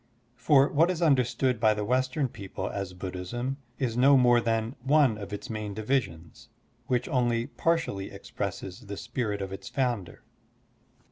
For what is tmderstood by the Western people as Buddhism is no more than one of its main divisions, which only partially expresses the spirit of its founder.